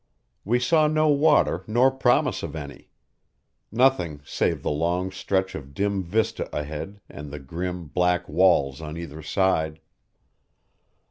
We saw no water nor promise of any; nothing save the long stretch of dim vista ahead and the grim, black walls on either side.